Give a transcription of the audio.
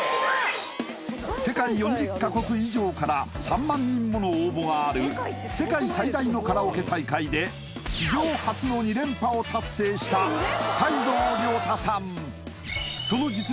世界４０カ国以上から３万人もの応募がある世界最大のカラオケ大会で史上初の２連覇を達成した海蔵亮太さん